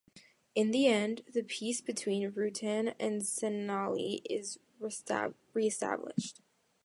In the end, the peace between Rutan and Senali is re-established.